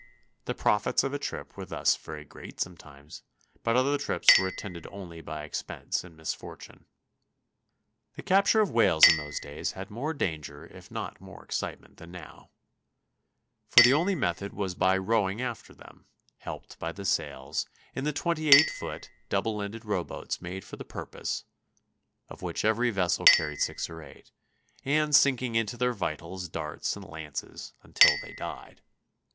The profits of a trip were thus very great sometimes, but other trips were attended only by expense and misfortune. [Illustration: DRAWN BY W. TABER. A RACE FOR A WHALE.] The capture of whales in those days had more danger if not more excitement than now, for the only method was by rowing after them, helped by the sails, in the 28 foot, double ended rowboats made for the purpose (of which every vessel carried six or eight), and sinking into their vitals darts and lances until they died.